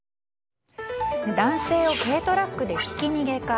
男性を軽トラックでひき逃げか。